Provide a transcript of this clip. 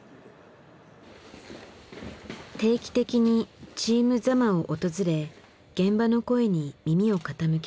定期的にチーム座間を訪れ現場の声に耳を傾ける。